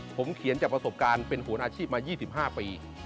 ผมเขียนจากประสบการณ์เป็นโหนอาชีพมา๒๕ปี